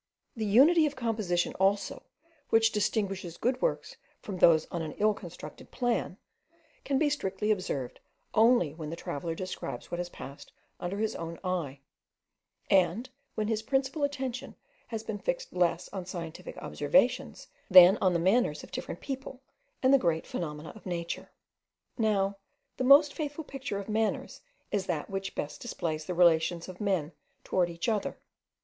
The unity of composition also, which distinguishes good works from those on an ill constructed plan, can be strictly observed only when the traveller describes what has passed under his own eye; and when his principal attention has been fixed less on scientific observations than on the manners of different people and the great phenomena of nature. Now, the most faithful picture of manners is that which best displays the relations of men towards each other.